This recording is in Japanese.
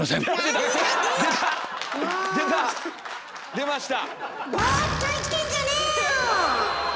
出ました！